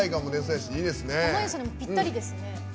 濱家さんにぴったりですね。